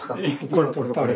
これとこれ。